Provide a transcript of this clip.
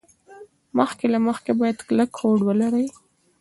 مخکې له مخکې باید کلک هوډ ولري.